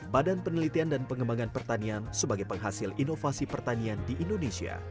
badan penelitian dan pengembangan pertanian sebagai penghasil inovasi pertanian di indonesia